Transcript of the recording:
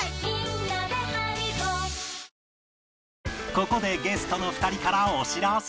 ここでゲストの２人からお知らせ